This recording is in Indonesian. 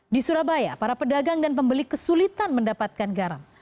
di surabaya para pedagang dan pembeli kesulitan mendapatkan garam